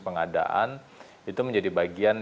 pengadaan itu menjadi bagian